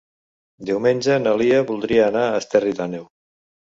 Diumenge na Lia voldria anar a Esterri d'Àneu.